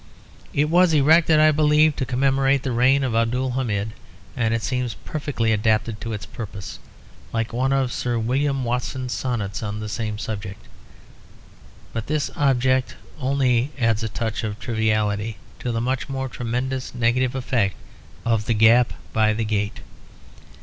It was erected, I believe, to commemorate the reign of Abdul Hamid; and it seems perfectly adapted to its purpose, like one of Sir William Watson's sonnets on the same subject. But this object only adds a touch of triviality to the much more tremendous negative effect of the gap by the gate.